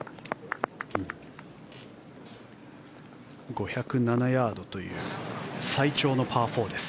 ５０７ヤードという最長のパー４です。